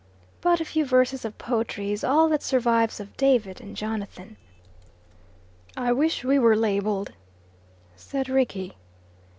But a few verses of poetry is all that survives of David and Jonathan. "I wish we were labelled," said Rickie.